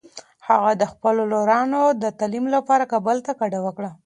هغه د خپلو لورانو د تعلیم لپاره کابل ته کډه وکړه.